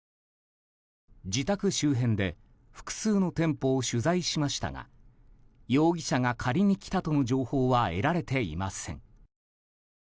自宅周辺で複数の店舗を取材しましたが容疑者が借りに来たとの情報は得られていません。